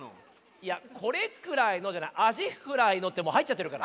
いや「これくらいの」が「アジフライの」ってもうはいっちゃってるから。